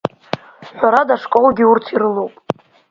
Ҳәарада ашколгьы урҭ ирылоуп.